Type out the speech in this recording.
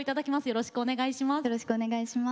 よろしくお願いします。